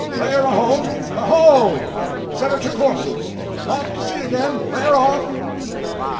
Lay her a hold, a hold! Set her two courses. Off to sea again; lay her off.